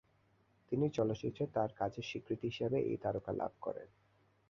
তিনি চলচ্চিত্রে তার কাজের স্বীকৃতি হিসেবে এই তারকা লাভ করেন।